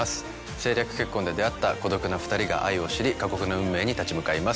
政略結婚で出会った孤独な２人が愛を知り過酷な運命に立ち向かいます。